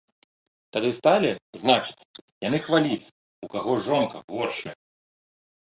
Тады сталі, значыцца, яны хваліцца, у каго жонка горшая.